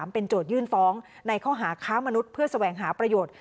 เป็นโจทยื่นฟ้องในข้อหาค้ามนุษย์เพื่อแสวงหาประโยชน์